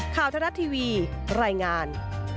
ข่าวทะลัดทีวีรายงาน